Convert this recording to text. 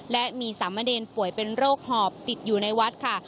และมีสามเณรป่วยเป็นโรคหอบติดอยู่ในวัดค่ะ